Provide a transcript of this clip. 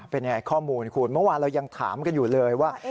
เป็นยังไงข้อมูลคุณเมื่อวานเรายังถามกันอยู่เลยว่า